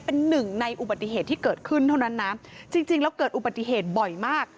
เป็นหนึ่งในอุบัติเหตุที่เกิดขึ้นเท่านั้นนะจริงจริงแล้วเกิดอุบัติเหตุบ่อยมาก